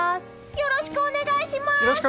よろしくお願いします！